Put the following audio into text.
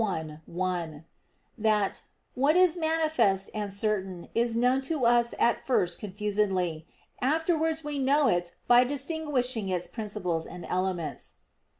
i, 1), that "what is manifest and certain is known to us at first confusedly; afterwards we know it by distinguishing its principles and elements."